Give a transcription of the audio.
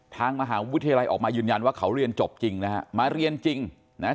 ทางมหาวิทยาลัยออกมายืนยันว่าเขาเรียนจบจริงนะฮะมาเรียนจริงนะฮะ